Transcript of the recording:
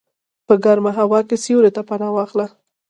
په ګرمه هوا کې سیوري ته پناه واخله.